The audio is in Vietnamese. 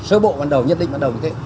sơ bộ ban đầu nhất định ban đầu như thế